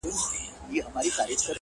توري بڼي دي په سره لمر کي ځليږي.!